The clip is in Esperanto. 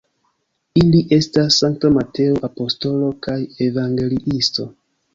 Ili estas Sankta Mateo apostolo kaj evangeliisto.